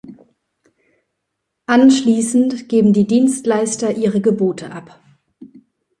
Anschließend geben die Dienstleister ihre Gebote ab.